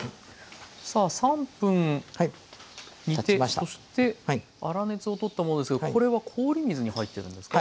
そして粗熱を取ったものですけどこれは氷水に入ってるんですか？